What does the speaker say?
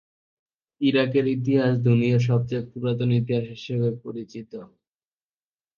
ইরাকের ইতিহাস দুনিয়ার সবচেয়ে পুরাতন ইতিহাস হিসাবে পরিচিত।